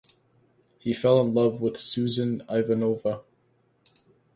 He fell in love with Susan Ivanova.